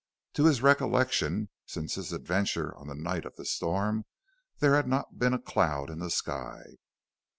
To his recollection since his adventure on the night of the storm there had not been a cloud in the sky.